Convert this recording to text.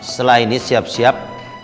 setelah ini siap siap